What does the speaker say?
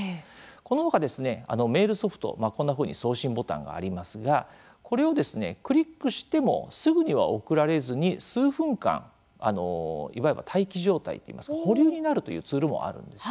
この他ですね、メールソフトこんなふうに送信ボタンがありますがこれをクリックしてもすぐには送られずに数分間いわゆる待機状態といいますか保留になるというツールもあるんです。